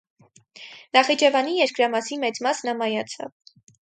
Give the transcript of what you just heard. Նախիջևանի երկրամասի մեծ մասն ամայացավ։